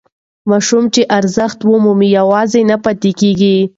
ماشوم چې ارزښت ومومي یوازې نه پاتې کېږي.